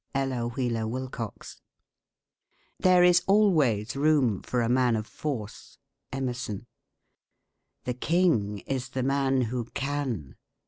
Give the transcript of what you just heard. Ella Wheeler Wilcox. There is always room for a man of force. Emerson. The king is the man who can.